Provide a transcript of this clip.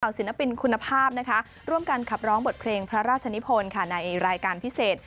เบาศีลปินคุณภาพร่วมการครับร้องบทเพลงพระราชณิพลในรายการพิเศษ